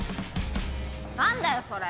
何だよそれ。